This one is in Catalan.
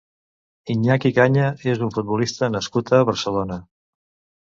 Iñaki Caña és un futbolista nascut a Barcelona.